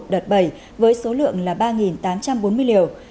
đợt bảy với số lượng là ba tám trăm bốn mươi liều